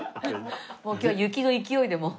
今日は雪の勢いでもう。